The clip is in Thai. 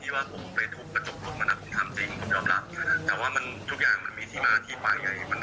ผมให้เงินมันผมให้เสื้อมันได้เหนิมเขาหมา